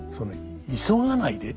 「急がないで」